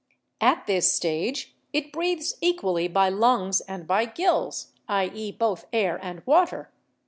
At this stage it breathes equally by lungs and by gills — i.e., both air and water.